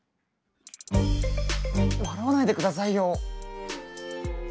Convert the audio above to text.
笑わないで下さいよ！